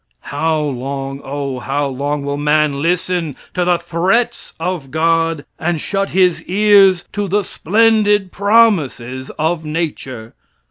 How long, O how long will man listen to the threats of God, and shut his ears to the splendid promises of Nature?